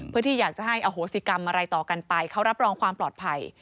เพื่อที่อยากจะให้อโหสิกรรมอะไรต่อกันไปเขารับรองความปลอดภัย